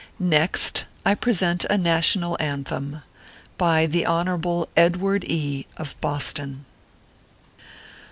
57 Next, I present a NATIONAL ANTHEM. BY THE HON. EDWABD E , OF BOSTON.